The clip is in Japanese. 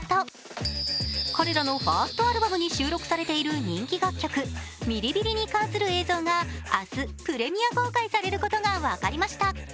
彼らのファーストアルバムに収録されている人気楽曲「Ｍｉｌｉｉ−Ｂｉｌｌｉ」に関する映像が明日プレミア公開されることが分かりました。